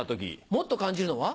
もっと感じるのは？